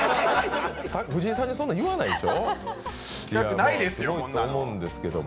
藤井さんにそんなこと言わないでしょ？